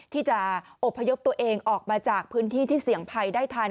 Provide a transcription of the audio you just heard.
ที่จะอบพยพตัวเองออกมาจากพื้นที่ที่เสี่ยงภัยได้ทัน